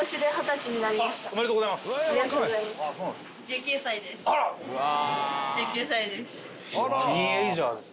１９歳です。